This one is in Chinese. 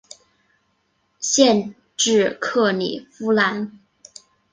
县治克里夫兰。